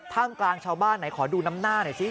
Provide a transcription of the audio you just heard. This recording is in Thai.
กลางชาวบ้านไหนขอดูน้ำหน้าหน่อยสิ